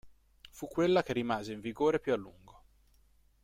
Fu quella che rimase in vigore più a lungo.